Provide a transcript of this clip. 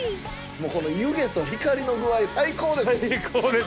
もうこの湯気と光の具合最高です。